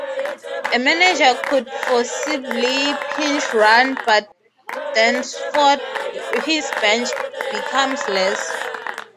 A manager could feasibly pinch-run, but thenceforth his bench becomes less.